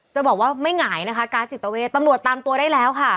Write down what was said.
จะบอกว่าไม่หงายนะคะการ์ดจิตเวทตำรวจตามตัวได้แล้วค่ะ